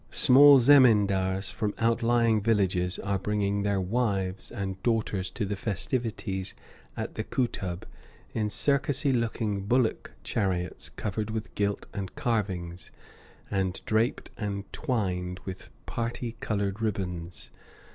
Small zemindars from outlying villages are bringing their wives and daughters to the festivities at the Kootub in circusy looking bullock chariots covered with gilt and carvings, and draped and twined with parti colored ribbons.